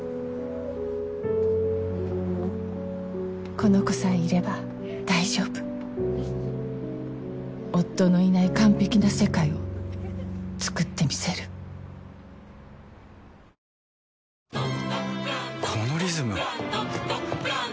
この子さえいれば大丈夫夫のいない完璧な世界をつくってみせるありがとうございます！